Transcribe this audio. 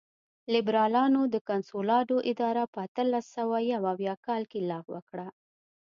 لېبرالانو د کنسولاډو اداره په اتلس سوه یو اویا کال کې لغوه کړه.